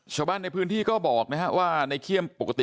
แล้วก็ยัดลงถังสีฟ้าขนาด๒๐๐ลิตร